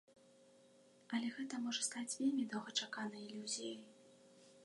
Але гэта можа стаць вельмі доўгачаканай ілюзіяй!